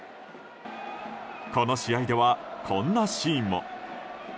この試合では、こんなシーンも。